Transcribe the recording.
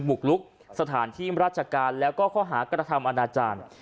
บุกลุกสถานที่ราชการแล้วก็ข้อหากระทำอนาจารย์